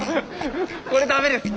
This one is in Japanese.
これ駄目ですって。